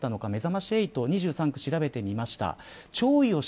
めざまし８が２３区、調べてみました。